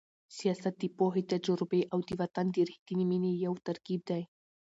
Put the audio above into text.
سیاست د پوهې، تجربې او د وطن د رښتینې مینې یو ترکیب دی.